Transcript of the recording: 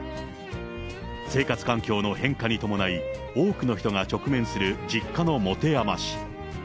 生活環境の変化に伴い、多くの人が直面する実家の持て余し。